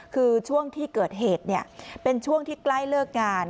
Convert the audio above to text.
คือช่วงที่เกิดเหตุเป็นช่วงที่ใกล้เลิกงาน